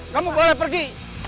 kamu boleh pergi